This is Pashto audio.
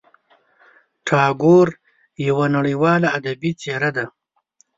ټاګور یوه نړیواله ادبي څېره ده.